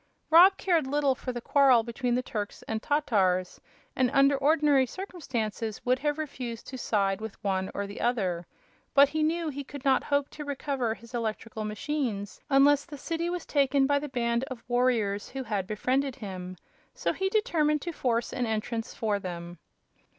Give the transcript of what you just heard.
Rob cared little for the quarrel between the Turks and Tatars, and under ordinary circumstances would have refused to side with one or the other; but he knew he could not hope to recover his electrical machines unless the city was taken by the band of warriors who had befriended him, so he determined to force an entrance for them.